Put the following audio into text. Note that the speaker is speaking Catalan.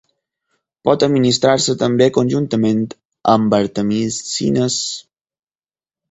Pot administrar-se també conjuntament amb artemisines.